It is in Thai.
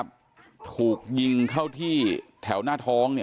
เสียชีวิตค่าที่เลยนะครับส่วนคนที่ยิงชื่อนายไทรเทพคำสุดอายุ๔๖ปี